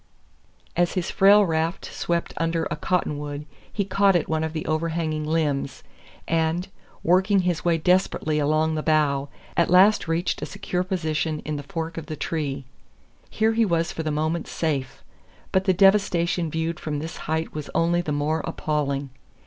As his frail raft swept under a cottonwood he caught at one of the overhanging limbs, and, working his way desperately along the bough, at last reached a secure position in the fork of the tree. Here he was for the moment safe. But the devastation viewed from this height was only the more appalling.